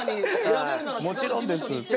もちろんですって。